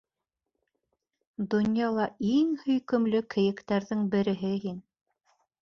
Донъяла иң һөйкөмлө кейектәрҙең береһе һин...